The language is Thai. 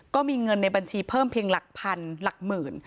ก็มีเงินในบัญชีเพิ่มเพียงหลักพันหลักหมื่น